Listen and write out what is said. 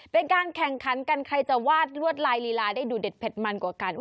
เป็นการแข่งขันกันใครจะวาดลวดลายลีลาได้ดูเด็ดเผ็ดมันกว่ากัน